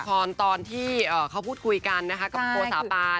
ก็เป็นละครตอนที่เค้าพูดคุยกันนะคะกับโกศาปาน